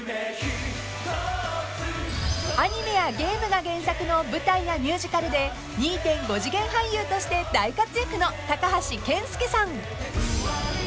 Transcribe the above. ［アニメやゲームが原作の舞台やミュージカルで２．５次元俳優として大活躍の高橋健介さん］